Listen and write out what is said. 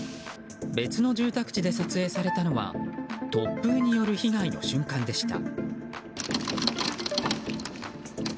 別の住宅地で撮影されたのは突風による被害の瞬間でした。